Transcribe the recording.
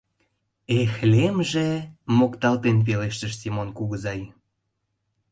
Эх, лемже! — мокталтен, пелештыш Семон кугызай.